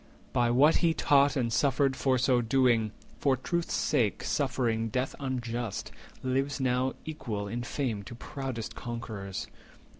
By what he taught and suffered for so doing, For truth's sake suffering death unjust, lives now Equal in fame to proudest conquerors.